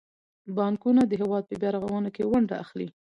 بانکونه د هیواد په بیارغونه کې ونډه اخلي.